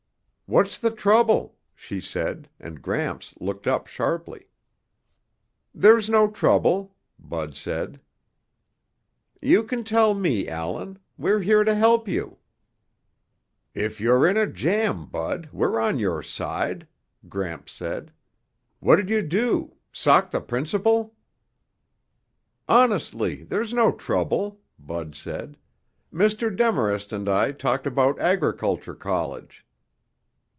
"What's the trouble?" she said, and Gramps looked up sharply. "There's no trouble," Bud said. "You can tell me, Allan. We're here to help you." "If you're in a jam, Bud, we're on your side," Gramps said. "What'd you do? Sock the principal?" "Honestly there's no trouble," Bud said. "Mr. Demarest and I talked about agriculture college."